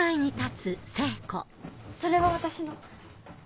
それは私の。